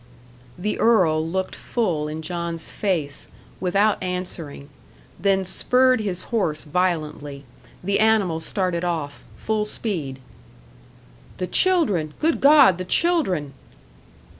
The earl looked full in John's face, without answering; then spurred his horse violently. The animal started off, full speed. "The children. Good God the children!"